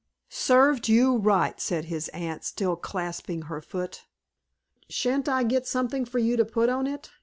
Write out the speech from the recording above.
"Served you right," said his aunt, still clasping her foot. "Sha'n't I get something for you to put on it?"